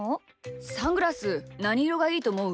サングラスなにいろがいいとおもう？